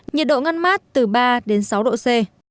nhiệt độ ngăn mát từ ba đến sáu độ c